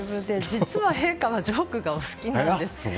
実は陛下はジョークがお好きなんです。